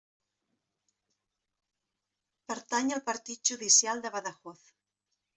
Pertany al Partit judicial de Badajoz.